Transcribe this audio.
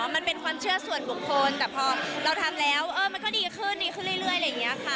มันเป็นความเชื่อส่วนบุคคลแต่พอเราทำแล้วมันก็ดีขึ้นดีขึ้นเรื่อยอะไรอย่างนี้ค่ะ